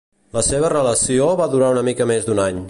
La seva relació va durar una mica més d'un any.